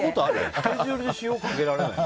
スケジュールで塩かけられない？